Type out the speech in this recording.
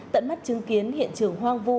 tận mắt chứng kiến hiện trường hoang vu